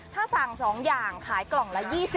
ถ้าสั่ง๒อย่างขายกล่องละ๒๐